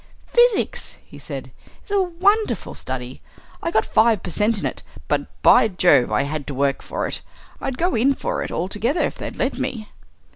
"Physics," he said, "is a wonderful study. I got five per cent in it. But, by Jove! I had to work for it. I'd go in for it altogether if they'd let me."